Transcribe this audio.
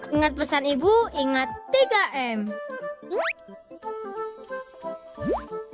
ingat pesan ibu ingat tiga m